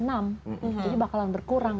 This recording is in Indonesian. jadi bakalan berkurang